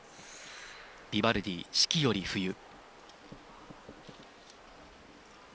ビバルディ「四季」より「冬」。